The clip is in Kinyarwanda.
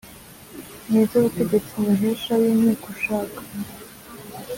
N iz ubutegetsi umuhesha w inkiko ushaka